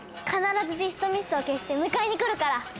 必ずディストミストを消して迎えに来るから。